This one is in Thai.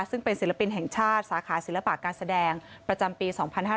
ซึ่งเป็นศิลปินแห่งชาติสาขาศิลปะการแสดงประจำปี๒๕๕๙